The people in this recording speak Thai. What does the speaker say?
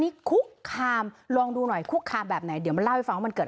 คุกคามลองดูหน่อยคุกคามแบบไหนเดี๋ยวมาเล่าให้ฟังว่ามันเกิด